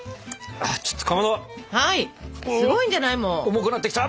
重くなってきた！